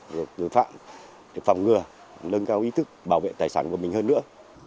tội phạm phòng ngừa nâng cao ý thức bảo vệ tài sản của mình hơn nữa